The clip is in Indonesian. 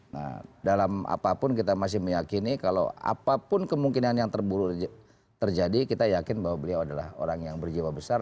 nah dalam apapun kita masih meyakini kalau apapun kemungkinan yang terburuk terjadi kita yakin bahwa beliau adalah orang yang berjiwa besar